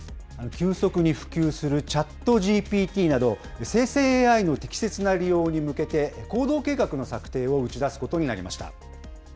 急速に普及するチャットＧＰＴなど、生成ＡＩの適切な利用に向けて、行動計画の策定を打ち出すことになりました。